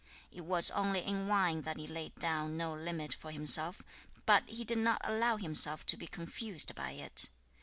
It was only in wine that he laid down no limit for himself, but he did not allow himself to be confused by it.